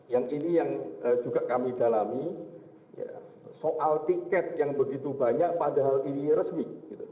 yang ini yang juga kami dalami soal tiket yang begitu banyak padahal ini resmi